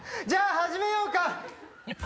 じゃあ始めようか！